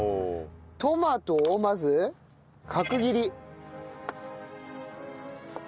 トマトをまず角切り。